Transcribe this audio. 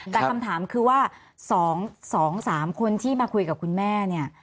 แต่คำถามคือว่า๒๓คนที่มาคุยกับคุณแม่เนี่ย